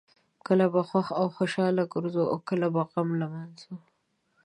کله به خوښ او خوشحاله ګرځو او کله به غم لمانځو.